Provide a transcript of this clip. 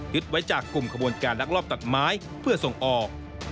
ไว้จากกลุ่มขบวนการลักลอบตัดไม้เพื่อส่งออก